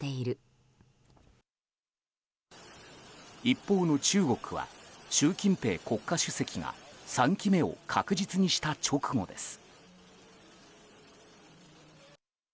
一方の中国は習近平国家主席が３期目を確実にした直後です。